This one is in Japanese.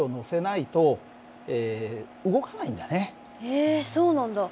えそうなんだ。